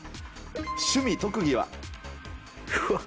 趣味、特技は？